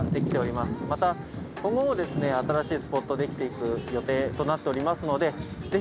また、今後も新しいスポットできていく予定となっておりますのでぜひ